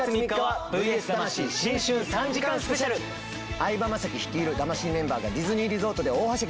相葉雅紀率いる『魂』メンバーがディズニーリゾートで大はしゃぎ。